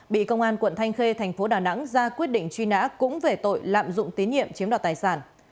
bị công an quận thanh khê thành phố đà nẵng ra quyết định truy nã cũng về tội lạm dụng tín nhiệm chiếm đoạt tài sản